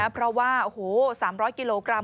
เพราะว่า๓๐๐กิโลกรัม